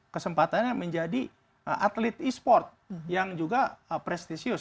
kesempatannya menjadi atlet esport yang juga prestisius